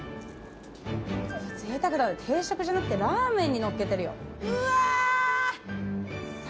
埖瑤世定食じゃなくてラーメンにのっけてるよ。